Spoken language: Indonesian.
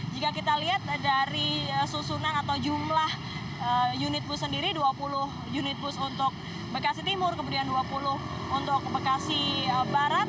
jika kita lihat dari susunan atau jumlah unit bus sendiri dua puluh unit bus untuk bekasi timur kemudian dua puluh untuk bekasi barat